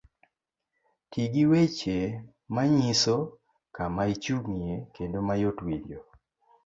Ti gi weche manyiso kama ichung'ye kendo mayot winjo.